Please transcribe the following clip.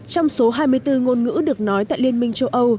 trong số hai mươi bốn ngôn ngữ được nói tại liên minh châu âu